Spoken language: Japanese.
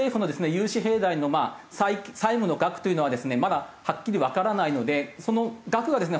融資平台の債務の額というのはですねまだはっきりわからないのでその額がですね